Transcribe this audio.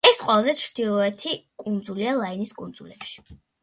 ეს ყველაზე ჩრდილოეთი კუნძულია ლაინის კუნძულებში.